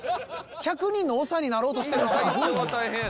１００人の長になろうとしてるのか！